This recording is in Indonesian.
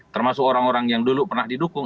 termasuk orang orang yang dulu pernah didukung